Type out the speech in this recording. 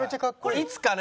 いつかね